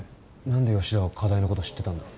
何で吉田は課題のこと知ってたんだ？